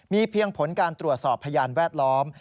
เพียงผลการตรวจสอบพยานแวดล้อม